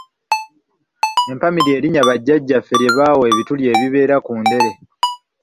Empami ly’erinnya bajjajjaffe lye baawa ebituli ebibeera ku ndere.